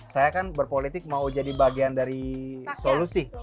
saya kan berpolitik mau jadi bagian dari solusi